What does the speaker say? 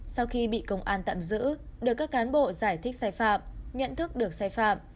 sau khi bị công an tạm giữ được các cán bộ giải thích sai phạm nhận thức được sai phạm